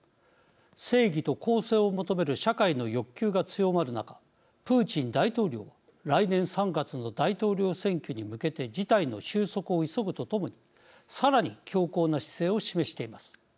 正義と公正を求める社会の欲求が強まる中プーチン大統領は来年３月の大統領選挙に向けて事態の収束を急ぐとともにさらに強硬な姿勢を示しています。